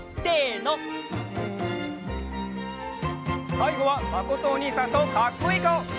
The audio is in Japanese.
さいごはまことおにいさんとかっこいいかおいくよ！